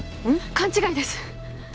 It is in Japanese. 勘違いです。